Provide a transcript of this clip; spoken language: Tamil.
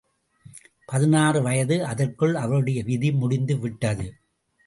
பதினாறு வயது அதற்குள் அவளுடைய விதி முடிந்து விட்டது!